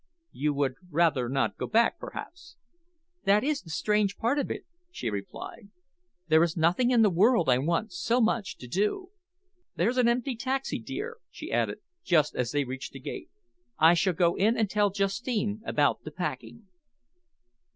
"You would rather not go back, perhaps?" "That is the strange part of it," she replied. "There is nothing in the world I want so much to do. There's an empty taxi, dear," she added, as they reached the gate. "I shall go in and tell Justine about the packing."